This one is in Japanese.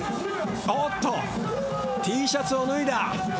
おっとＴシャツを脱いだ。